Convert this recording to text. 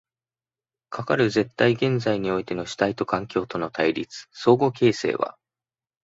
かかる絶対現在においての主体と環境との対立、相互形成は